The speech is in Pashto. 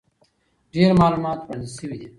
ډېر معلومات وړاندې شوي دي،